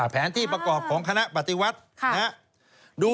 แผนที่ประกอบของคณะปฏิวัติ